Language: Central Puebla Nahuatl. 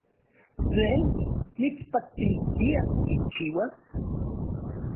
¿Tlen mitspaktiskia tikchiuas?